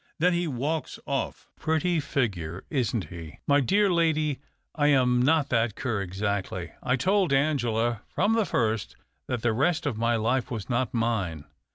Then he walks off. Pretty figure, isn't he ?"" My dear lady, I am not that cur exactly. I told Ans^ela from the first that the rest of my life was not mine.